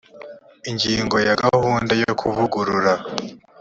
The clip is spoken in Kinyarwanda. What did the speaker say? ingingo ya gahunda yo kuvugurura